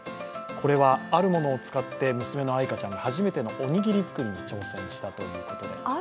これはあるものを使って娘の愛果ちゃんが初めてのおにぎり作りに挑戦したということで。